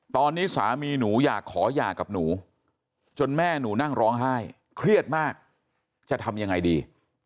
ตอนนี้สามีหนูอยากขอหย่ากับหนูจนแม่หนูนั่งร้องไห้เครียดมากจะทำยังไงดี